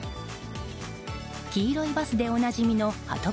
黄色いバスでおなじみのはと